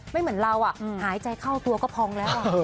ไม่เหมือนเราอ่ะหายใจเข้าตัวก็พองแล้วอ่ะ